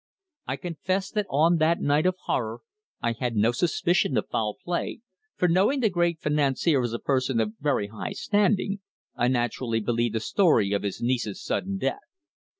I confess that on that night of horror I had no suspicion of foul play, for knowing the great financier as a person of very high standing, I naturally believed the story of his niece's sudden death.